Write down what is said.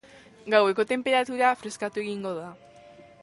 Gaueko tenperatura freskatu egingo da.